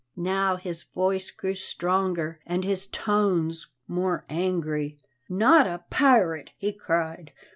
Now his voice grew stronger and his tones more angry. "Not a pirate!" he cried.